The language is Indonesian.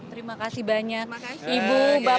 terima kasih banyak ibu bapak